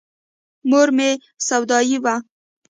مور مې سودايي وه.